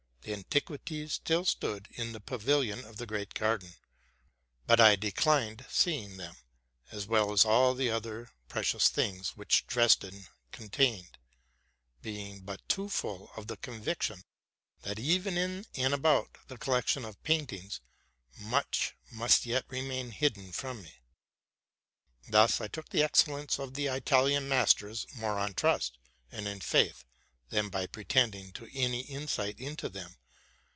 The antiquities still stood in the pavilion of the great garden ; but I declined seeing them, as well as all the other precious things which Dresden con tained, being but too full of the conviction, that, even in and about the collection of paintings, much must yet remain hid den from me. Thus I took the excellence of the Italian mas ters more on trust and in faith, than by pretending to any insight into them.